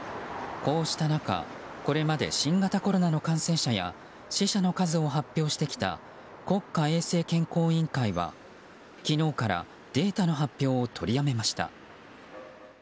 こうした中これまで新型コロナの感染者や死者の数を発表してきた国家衛生健康委員会は昨日からデータの発表を取りやめました。